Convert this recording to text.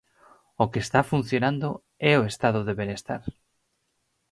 O que está funcionando é o Estado de benestar.